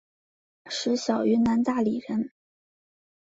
石晓云南大理人。